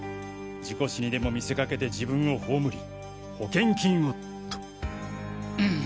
事故死にでも見せかけて自分を葬り保険金をと。